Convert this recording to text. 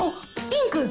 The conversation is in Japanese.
ピンク！